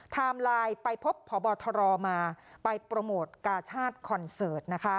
ไทม์ไลน์ไปพบพบธมาไปโปรโมทกาชาติคอนเซิร์ต